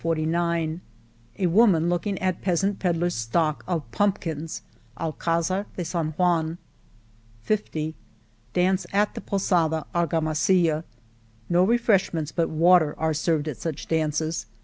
46 A woman looking at peasant pedler' s stock of pump kins — Alcdzar de San Juan, ... '49 Dance at the Posada, Argamasilla, No refresh ments but water are served at such dances.